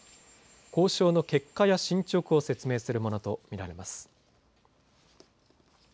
交渉の結果や進捗を説明するものと見られます。